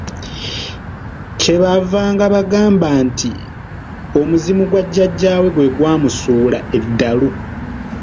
Kye baavanga bagamba nti omuzimu gwa jjajjaawe gwe gwamusuula eddalu.